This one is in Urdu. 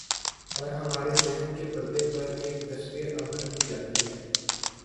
اورہمارے ذہن کے پردے پر ایک تصویر ابھرتی جاتی ہے۔